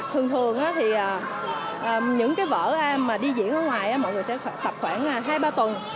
thường thường thì những cái vở mà đi diễn ở ngoài mọi người sẽ tập khoảng hai ba tuần